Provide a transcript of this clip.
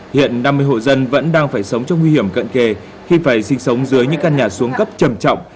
hiện năm mươi hộ dân vẫn đang phải sống trong nguy hiểm cận kề khi phải sinh sống dưới những căn nhà xuống cấp trầm trọng